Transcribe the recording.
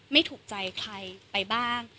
ไม่ถูกใจใครไปบ้าง